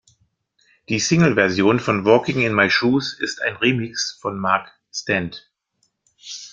Die Single-Version von "Walking in My Shoes" ist ein Remix von Mark Stent.